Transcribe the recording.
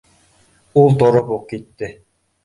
— Ул тороп уҡ китте